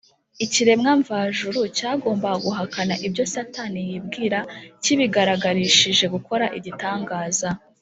. Ikiremwa mvajuru cyagombaga guhakana ibyo Satani yibwira kibigaragarishije gukora igitangaza